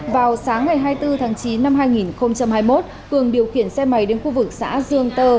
vào sáng ngày hai mươi bốn tháng chín năm hai nghìn hai mươi một cường điều khiển xe máy đến khu vực xã dương tơ